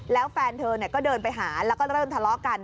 แล้วแฟนเธอเดินไปหาแล้วก็เทล้ากัน